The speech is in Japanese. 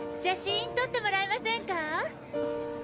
写真とってもらえませんか？